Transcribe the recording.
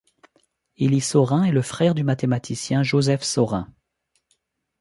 Élie Saurin est le frère du mathématicien Joseph Saurin.